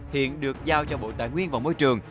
hiện được giao cho bộ tài nguyên và môi trường